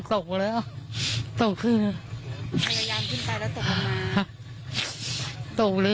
จะขึ้นถึงข้างบนแถมทุบบนค่ะ